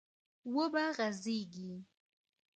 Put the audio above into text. و به غځېږي،